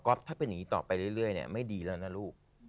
ถ้าเป็นอย่างนี้ต่อไปเรื่อยไม่ดีแล้วนะลูก